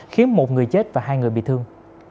khiến một người chết và hai người bị thương